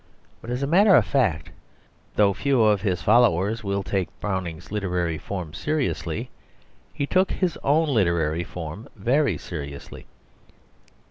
But, as a matter of fact, though few of his followers will take Browning's literary form seriously, he took his own literary form very seriously.